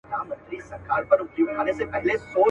ويل زما د سر امان دي وي څښتنه .